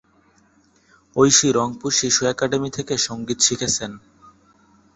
ঐশী "রংপুর শিশু একাডেমি" থেকে সঙ্গীত শিখেছেন।